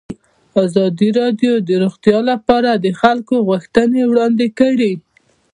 ازادي راډیو د روغتیا لپاره د خلکو غوښتنې وړاندې کړي.